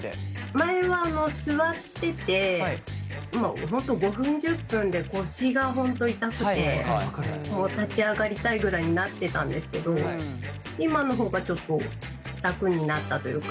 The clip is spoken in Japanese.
前は座ってて５分１０分で腰が本当痛くて立ち上がりたいぐらいになってたんですけど今のほうがちょっと楽になったというか。